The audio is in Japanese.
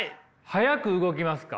速く動きますか？